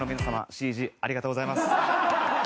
ＣＧありがとうございます。